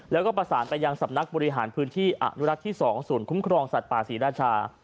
แล้วก็ประสานไปยังสำนักบริหารพื้นที่อนุรักษ์ที่๒ศูนย์คุ้มครองสัตว์ป่าศรีราชา